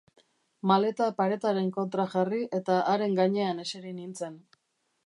Maleta paretaren kontra jarri eta haren gainean eseri nintzen.